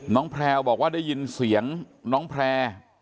แพลวบอกว่าได้ยินเสียงน้องแพร่